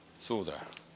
そうだよ。